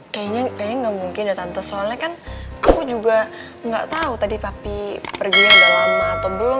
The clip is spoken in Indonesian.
kayaknya gak mungkin ya tante soalnya kan aku juga gak tahu tadi papi perginya udah lama atau belum